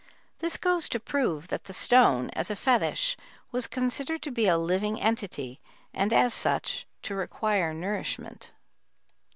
This goes to prove that the stone, as a fetich, was considered to be a living entity and as such to require nourishment.